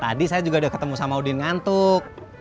tadi saya juga udah ketemu sama udin ngantuk